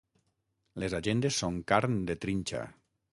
Les agendes són carn de trinxa.